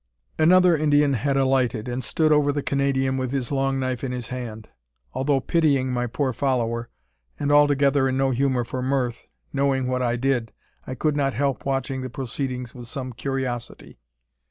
Another Indian had alighted, and stood over the Canadian with his long knife in his hand. Although pitying my poor follower, and altogether in no humour for mirth, knowing what I did, I could not help watching the proceedings with some curiosity.